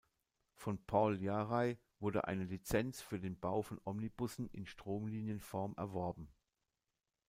Von Paul Jaray wurde eine Lizenz für den Bau von Omnibussen in Stromlinienform erworben.